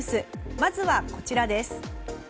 まずは、こちらです。